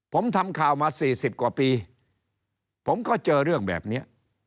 ผมทำข่าวมาสี่สิบกว่าปีผมก็เจอเรื่องแบบนี้